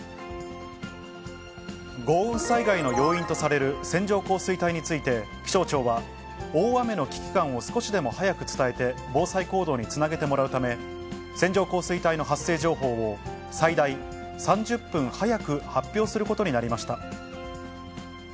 豪雨災害の要因とされる線状降水帯について、気象庁は、大雨の危機感を少しでも早く伝えて防災行動につなげてもらうため、線状降水帯の発生情報を最大３０分早く発表することになりました。